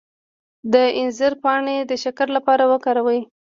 د انځر پاڼې د شکر لپاره وکاروئ